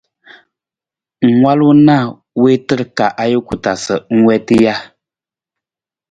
Ng walu na na wiitar ka ajuku taa sa ng wiita ja?